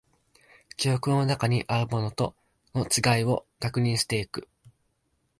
記憶の中にあるものとの違いを確認していく